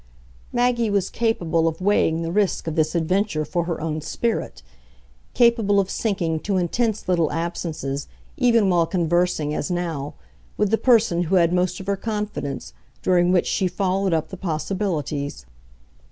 Maggie was capable of weighing the risk of this adventure for her own spirit, capable of sinking to intense little absences, even while conversing, as now, with the person who had most of her confidence, during which she followed up the possibilities.